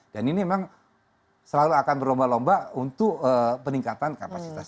dan ini memang selalu akan berlomba lomba untuk peningkatan kapasitas